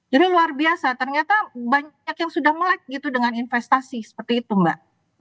jadi luar biasa ternyata banyak yang sudah melek gitu dengan investasi seperti itu mbak